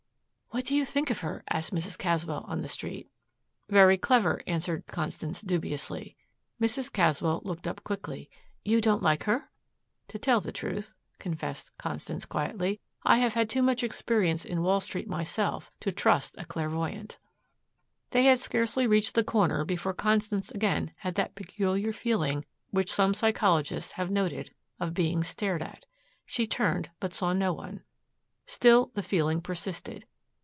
"What do you think of her?" asked Mrs. Caswell on the street. "Very clever," answered Constance dubiously. Mrs. Caswell looked up quickly. "You don't like her?" "To tell the truth," confessed Constance quietly, "I have had too much experience in Wall Street myself to trust to a clairvoyant." They had scarcely reached the corner before Constance again had that peculiar feeling which some psychologists have noted, of being stared at. She turned, but saw no one. Still the feeling persisted.